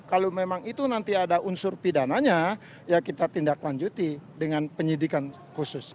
kalau memang itu nanti ada unsur pidananya ya kita tindak lanjuti dengan penyidikan khusus